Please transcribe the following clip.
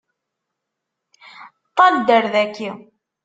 Ṭṭal-d ar daki!